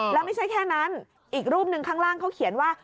แล้วไม่ใช่แค่นั้นอีกรูปหนึ่งข้างล่างเขาเขียนว่า